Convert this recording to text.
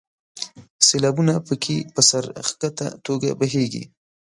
سیلابونه په کې په سر ښکته توګه بهیږي.